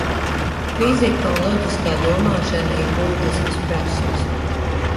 Fizika un loģiskā domāšana ir būtiskas prasmes.